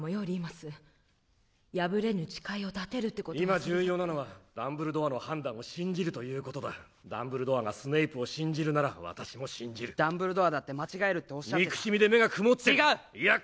リーマス破れぬ誓いを立てるってことは今重要なのはダンブルドアの判断を信じるということだダンブルドアがスネイプを信じるなら私も信じるダンブルドアだって間違えるっておっしゃってた憎しみで目が曇ってる違う！